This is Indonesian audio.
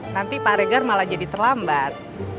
nanti pak regar malah jadi terlambat